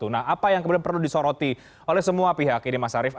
nah apa yang kemudian perlu disoroti oleh semua pihak ini mas arief